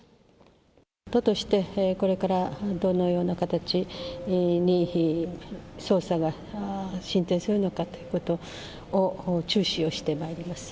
都としてこれからどのような形に捜査が進展するのかということを、注視をしてまいります。